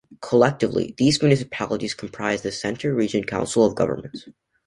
Collectively, these municipalities comprise the Centre Region Council of Governments.